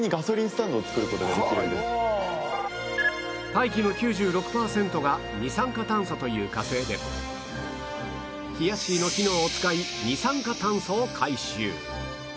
大気の９６パーセントが二酸化炭素という火星でひやっしーの機能を使い二酸化炭素を回収